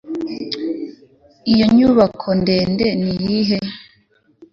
iyo nyubako ndende niyihe